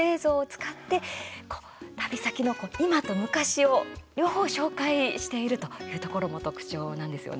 アーカイブ映像を使って旅先の今と昔を両方紹介しているというところも特徴なんですよね。